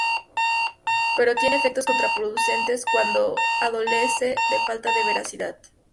Pero tiene efectos contraproducentes cuando adolece de falta de veracidad".